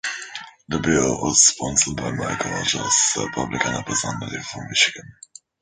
The bill was sponsored by Mike Rogers, a republican representative for Michigan.